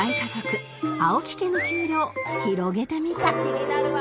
気になるわ！